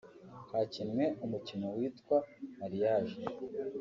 Hakinwe umukino witwa ‘Marriage